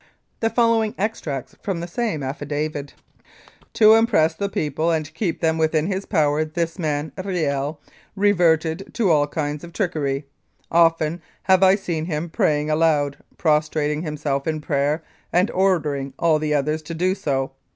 The following are extracts from the same affidavit : "To impress the people and keep them within his power this man, Riel, reverted to all kinds of trickery. Often have I seen him praying aloud, prostrating himself in prayer, and ordering all the others to do so.